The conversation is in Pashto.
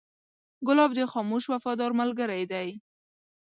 ګلاب د خاموش وفادار ملګری دی.